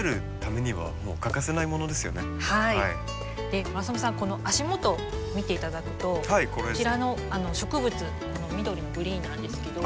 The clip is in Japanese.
で村雨さんこの足元見て頂くとこちらの植物この緑のグリーンなんですけど。